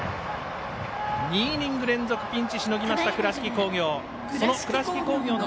２イニング連続ピンチをしのぎました倉敷工業。